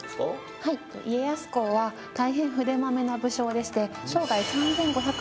はい家康公は大変筆まめな武将でして３，５００。